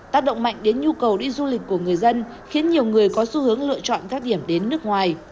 tác động mạnh đến nhu cầu đi du lịch của người dân khiến nhiều người có xu hướng lựa chọn các điểm đến nước ngoài